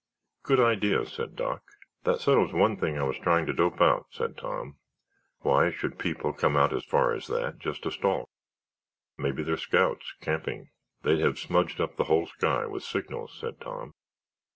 "Good idea," said Doc. "That settles one thing I was trying to dope out," said Tom. "Why should people come as far as that just to stalk?" "Maybe they're scouts, camping." "They'd have smudged up the whole sky with signals," said Tom.